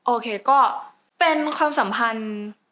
โอเคก็เป็นความสัมพันธ์